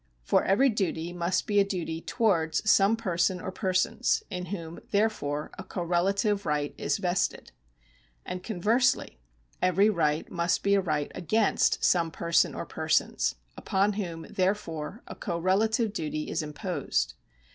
For every duty must be a duty towards some person or persons, in whom, therefore, a correlative right is vested. And conversely every right must be a right against some person or persons, upon whom, therefore, a correlative duty is imposed.